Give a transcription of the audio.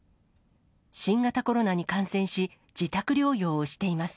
新型コロナに感染し、自宅療養をしています。